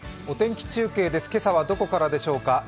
お天気中継です、今朝はどこからでしょうか。